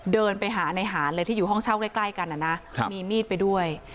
เดินไปหาในหารเลยที่อยู่ห้องเช่าใกล้กันนะนะมีมีดไปด้วย